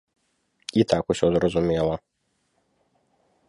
І так усё зразумела.